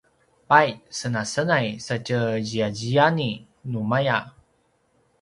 pai senasenai satje ziyaziyani numaya